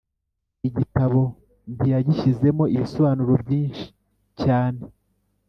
Igitabo ntiyagishyizemo ibisobanuro byinshi cyane.